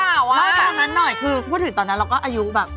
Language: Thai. เล่าตอนนั้นหน่อยคือพูดถึงตอนนั้นเราก็อายุแบบ